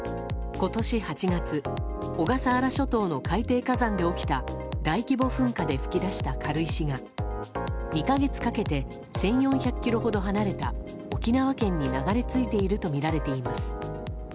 今年８月小笠原諸島の海底火山で起きた大規模噴火で噴き出した軽石が２か月かけて１４００ｋｍほど離れた沖縄県に流れ着いているとみられています。